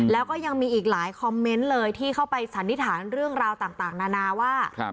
แล้วก็ยังมีอีกหลายคอมเมนต์เลยที่เข้าไปสันนิษฐานเรื่องราวต่างนานาว่า